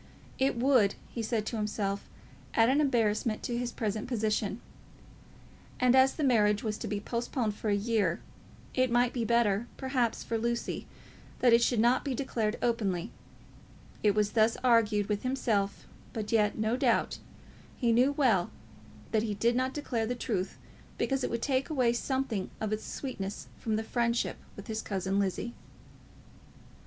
It would, he said to himself, add an embarrassment to his present position. And as the marriage was to be postponed for a year, it might be better, perhaps, for Lucy that it should not be declared openly. It was thus he argued with himself, but yet, no doubt, he knew well that he did not declare the truth because it would take away something of its sweetness from this friendship with his cousin Lizzie.